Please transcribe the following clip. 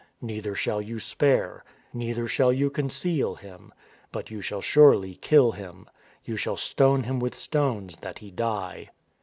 Neither shall you spare, Neither shall you conceal him : But you shall surely kill him ... You shall stone him with stones that he die."